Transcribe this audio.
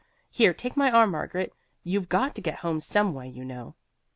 Here, take my arm, Margaret. You've got to get home some way, you know."